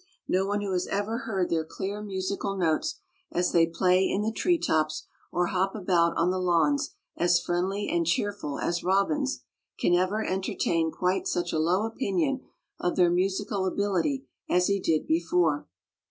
No one who has ever heard their clear musical notes as they play in the tree tops or hop about on the lawns as friendly and cheerful as robins, can ever entertain quite such a low opinion of their musical ability as he did before.